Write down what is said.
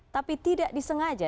tapi tidak disengaja